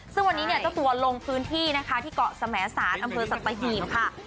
ซึ่งวันนี้เนี่ยเจ้าตัวลงพื้นที่นะคะที่เกาะสมสารอำเภอสัตหีบค่ะ